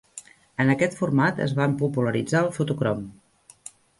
En aquest format, es van popularitzar el fotocrom.